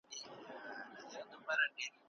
او همدغه موزونیت دی